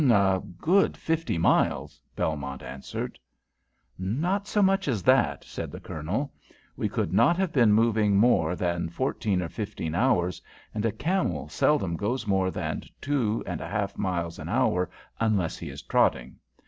"A good fifty miles," Belmont answered. "Not so much as that," said the Colonel. "We could not have been moving more than fourteen or fifteen hours, and a camel seldom goes more than two and a half miles an hour unless he is trotting.